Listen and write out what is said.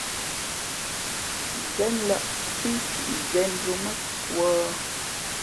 Zén lᾱꞌ pí cwǐʼzēn zǒ mά wα̌ ?